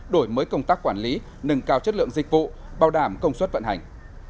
đổi mới công tác quản lý nâng cao chất lượng dịch vụ bảo đảm công suất vận hành